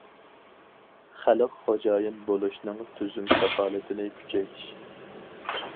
خەلق خوجايىن بولۇشنىڭ تۈزۈم كاپالىتىنى كۈچەيتىش.